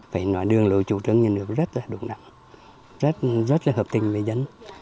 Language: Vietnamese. phải nói đường lộ chủ trân nhìn được rất là đúng đắn rất là hợp tình với dân